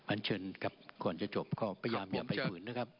อันเชิญครับก่อนจะจบก็พยายามอย่าไปฝืนนะครับ